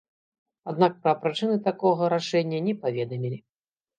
Аднак пра прычыны такога рашэння не паведамілі.